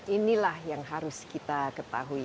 inilah yang harus kita ketahui